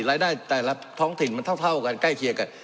รายได้แต่ละท้องถิ่นมันเท่ากันใกล้เคียงกัน